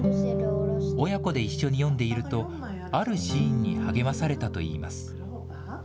親子で一緒に読んでいると、あるシーンに励まされたといいます。